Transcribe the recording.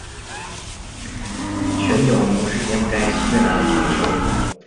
旋角牛是柬埔寨及越南的一种牛。